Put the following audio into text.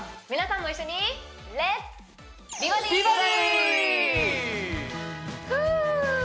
皆さんも一緒にフー！